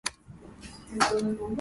価格も、内容も、重過ぎないものを選んだ